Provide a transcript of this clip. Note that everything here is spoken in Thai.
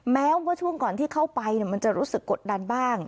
แม้ว่าช่วงก่อนที่เข้าไปมันจะรู้สึกกดดันบ้าง